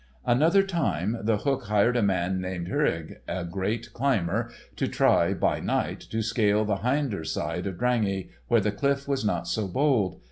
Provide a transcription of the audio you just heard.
Another time The Hook hired a man named Hœring, a great climber, to try, by night, to scale the hinder side of Drangey where the cliff was not so bold.